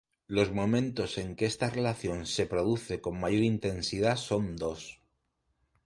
Los momentos en que esta relación se produce con mayor intensidad son dos.